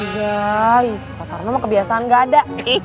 gak kotoran emang kebiasaan gak ada